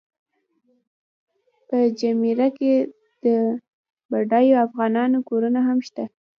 په جمیره کې د بډایو افغانانو کورونه هم شته.